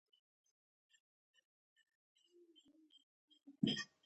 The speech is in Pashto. راتلونکی څپرکی به دا بدلونونه تشریح کړي.